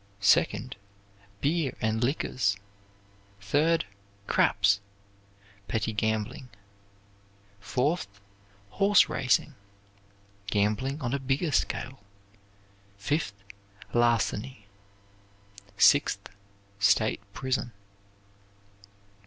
Second, beer and liquors. Third, craps petty gambling. Fourth, horse racing gambling on a bigger scale. Fifth, larceny. Sixth, state prison."